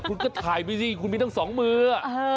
คุณก็ถ่ายไปสิคุณมีทั้งสองมือ